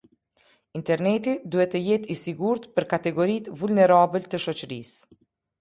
Interneti duhet të jetë i sigurt për kategoritë vulnerabël të shoqërisë.